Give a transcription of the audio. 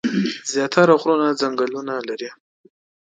زيات تره غرونه ځنګلې لري ـ